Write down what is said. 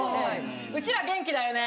うちら元気だよね。